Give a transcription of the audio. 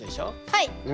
はい。